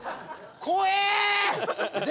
怖え！